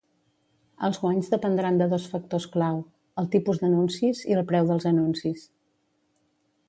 Els guanys dependran de dos factors clau: el tipus d'anuncis i el preu dels anuncis.